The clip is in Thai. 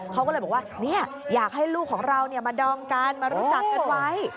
เขาก็เลยบอกว่าอยากให้ลูกของเรามาดองกันมารู้จักกันไว้